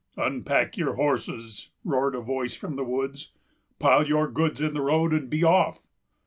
"Unpack your horses," roared a voice from the woods, "pile your goods in the road, and be off."